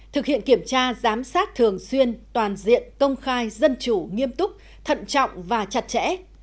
thực hiện kiểm tra giám sát thường xuyên toàn diện công khai dân chủ nghiêm túc thận trọng và chặt chẽ